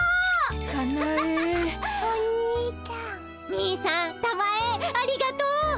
兄さんたまえありがとう。